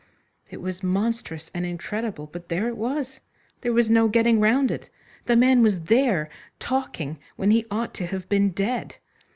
It was monstrous and incredible, but there it was. There was no getting round it. The man was there talking when he ought to have been dead.